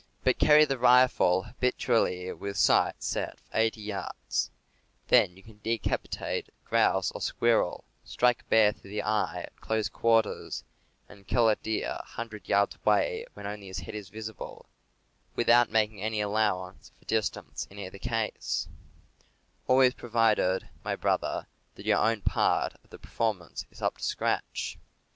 But carry the rifle habitually with sight set for 80 yards; then you can decapitate a grouse or squirrel, strike a bear through the eye at close quarters, and kill a deer 100 yards away when only his head is visible, without making any allowance for distance in either case — always provided, my brother, that your own part of the performance is up to scratch.